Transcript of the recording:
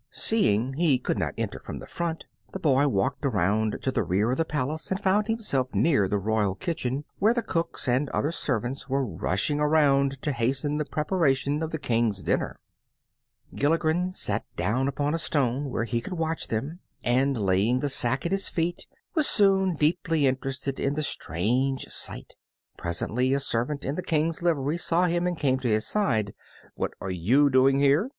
Seeing he could not enter from the front, the boy walked around to the rear of the palace and found himself near the royal kitchen, where the cooks and other servants were rushing around to hasten the preparation of the King's dinner. Gilligren sat down upon a stone where he could watch them, and laying the sack at his feet was soon deeply interested in the strange sight. Presently a servant in the King's livery saw him and came to his side. "What are you doing here?"